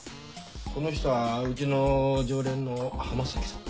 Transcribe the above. この人はうちの常連の浜崎さんだ。